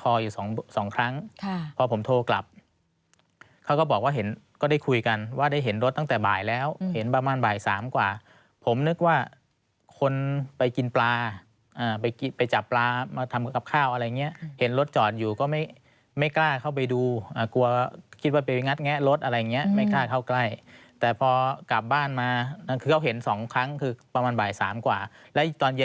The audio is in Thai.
คออยู่สองครั้งพอผมโทรกลับเขาก็บอกว่าเห็นก็ได้คุยกันว่าได้เห็นรถตั้งแต่บ่ายแล้วเห็นประมาณบ่ายสามกว่าผมนึกว่าคนไปกินปลาไปจับปลามาทำกับข้าวอะไรอย่างนี้เห็นรถจอดอยู่ก็ไม่กล้าเข้าไปดูกลัวคิดว่าไปงัดแงะรถอะไรอย่างเงี้ยไม่กล้าเข้าใกล้แต่พอกลับบ้านมาคือเขาเห็นสองครั้งคือประมาณบ่ายสามกว่าแล้วอีกตอนเย็น